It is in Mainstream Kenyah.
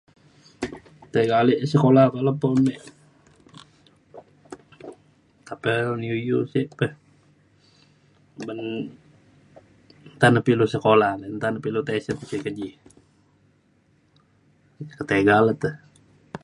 Tiga ale sekula ke lepo me nta pe un iu iu sik pe uban nta ne pilu sekula dai nta ne ilu tesen e keji. ke tega lukte